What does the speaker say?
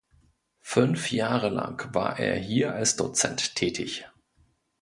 Fünf Jahre lang war er hier als Dozent tätig.